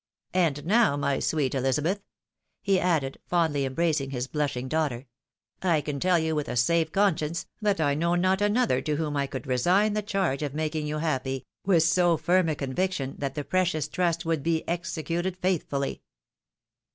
" And now, my sweet EUzabeth," he added, fondly embracing his 382 THE WIDOW MAERIED. blusBing daughter, " I can tell you with a safe conscience that T know not another to whom I could resign the charge of mak ing you happy, with so firm a conviction that the precious trust ■^ould be, executed faithfully."